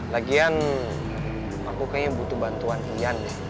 lagian aku kayaknya butuh bantuan iyan deh